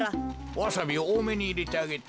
ワサビをおおめにいれてあげて。